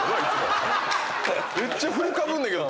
めっちゃ振りかぶんねんけど。